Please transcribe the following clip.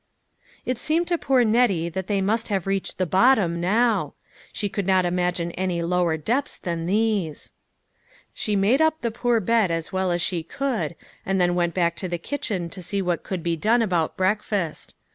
It seemed to poor Nettie that they must have reached the bottom now. She could not imagine any lower depths than these. She made up the poor bed as well as she could, and then went back to the kitchen to see what 74 LITTO: FISHERS : AND THEIR NETS. could be done about breakfast.